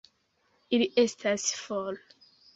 Ili estas for!